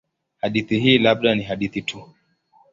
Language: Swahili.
Hadithi hii labda ni hadithi tu.